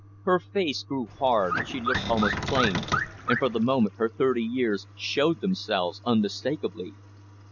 Her face grew hard, she looked almost plain, and for the moment her thirty years showed themselves unmistakably.